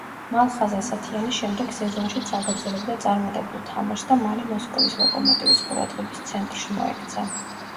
მალხაზ ასათიანი შემდეგ სეზონშიც აგრძელებდა წარმატებულ თამაშს და მალე მოსკოვის „ლოკომოტივის“ ყურადღების ცენტრში მოექცა.